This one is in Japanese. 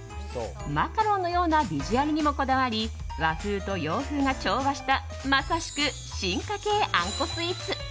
マカロンのようなビジュアルにもこだわり和風と洋風が調和したまさしく進化形あんこスイーツ。